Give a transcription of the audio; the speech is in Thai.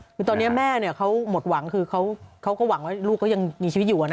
คือตอนนี้แม่เขาหมดหวังคือเขาก็หวังว่าลูกก็ยังมีชีวิตอยู่นะ